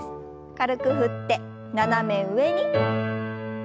軽く振って斜め上に。